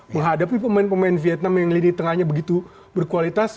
menghadapi pemain pemain vietnam yang lini tengahnya begitu berkualitas